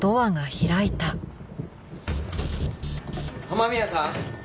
雨宮さん？